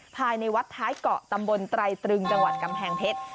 ภายในวัดท้ายเกาะตำบลไตรตรึงจังหวัดกำแพงเพชร